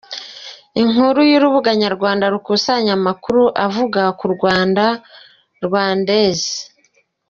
Inkuru y’urubuga nyarwanda rukusanya amakuru avuga ku Rwanda, rwandaises.